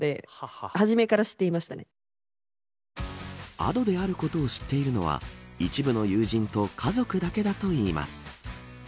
Ａｄｏであることを知っているのは一部の友人と家族だけだといいます。